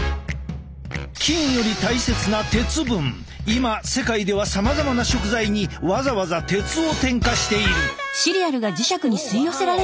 今世界ではさまざまな食材にわざわざ鉄を添加している。